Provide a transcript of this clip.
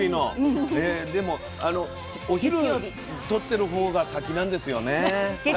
でもお昼とってる方が先なんですよね。